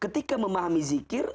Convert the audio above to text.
ketika memahami berzikir